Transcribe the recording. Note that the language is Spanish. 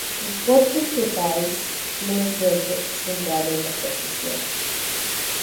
El Corpus de Valls tiene su eje central en la procesión.